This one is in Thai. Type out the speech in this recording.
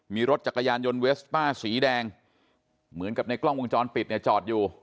มีรถจักรยานยนต์เวสป้าสีแดงเหมือนกับในกล้องวงจรปิดเนี่ยจอดอยู่